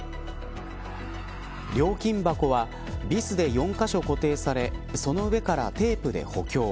料金箱はビスで４カ所固定されその上からテープで補強。